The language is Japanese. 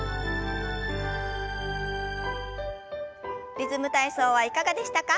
「リズム体操」はいかがでしたか？